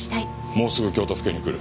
もうすぐ京都府警に来る。